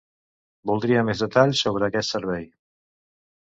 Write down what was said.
Voldria més detalls sobre aquest servei.